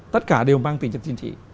tất cả đều mang tính chất chính trị